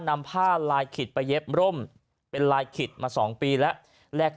นำผ้าลายขิดไปเย็บร่มเป็นลายขิดมา๒ปีแล้วแรก